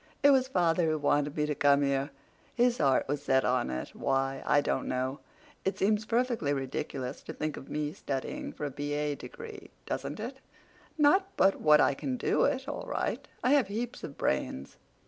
It was father who wanted me to come here. His heart was set on it—why, I don't know. It seems perfectly ridiculous to think of me studying for a B.A. degree, doesn't it? Not but what I can do it, all right. I have heaps of brains."